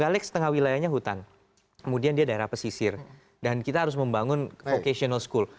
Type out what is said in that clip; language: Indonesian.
galex setengah wilayahnya hutan kemudian dia daerah pesisir dan kita harus membangun vocational school